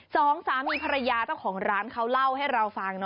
สองสามีภรรยาเจ้าของร้านเขาเล่าให้เราฟัง